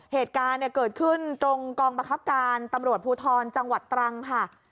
เหตุการณ์เนี่ยเกิดขึ้นตรงกองบังคับการตำรวจภูทรจังหวัดตรังค่ะ